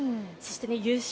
優勝